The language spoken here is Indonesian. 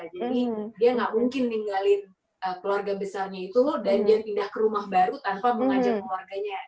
jadi dia gak mungkin ninggalin keluarga besarnya itu dan dia pindah ke rumah baru tanpa mengajak keluarganya